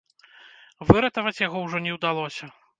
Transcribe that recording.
Выратаваць яго ўжо не ўдалося.